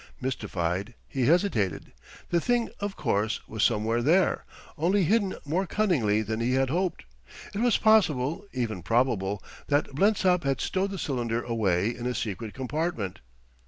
Mystified, he hesitated. The thing, of course, was somewhere there, only hidden more cunningly than he had hoped. It was possible, even probable, that Blensop had stowed the cylinder away in a secret compartment.